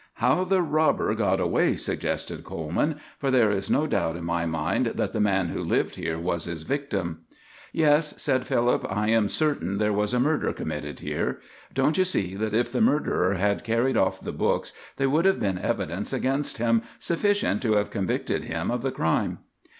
"How the robber got away," suggested Coleman; "for there is no doubt in my mind that the man who lived here was his victim." "Yes," said Philip, "I am certain there was a murder committed here. Don't you see that if the murderer had carried off the books they would have been evidence against him sufficient to have convicted him of the crime?"